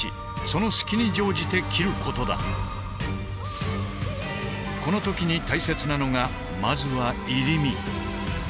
この時に大切なのがまずは「入身」。